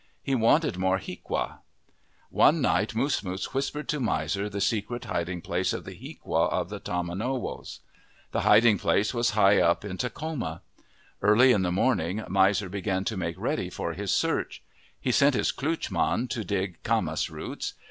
He wanted more hiaqua. One night Moosmoos whispered to Miser the secret hiding place of the hiaqua of the tomanowos. The hiding place was high up on Takhoma. Early in the morning, Miser began to make ready for his search. He sent his klootchman to dig camas roots.